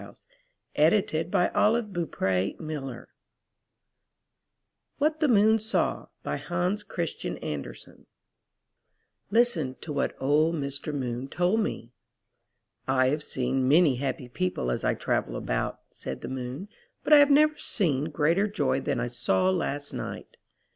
—Matthias Barr. 68 I N THE NURSERY WHAT THE MOON SAW Hans Christian Andersen Listen to what old Mr. Moon told me. 'T have seen many happy people as I travel about," said the Moon, '*but I have never seen greater joy than I saw last night.